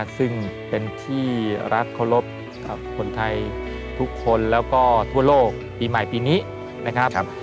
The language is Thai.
ซึ่งเป็นที่รักเคารพคนไทยทุกคนแล้วก็ทั่วโลกปีใหม่ปีนี้นะครับ